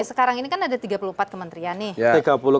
sekarang ini kan ada tiga puluh empat kementerian nih